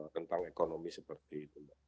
tentang ekonomi seperti itu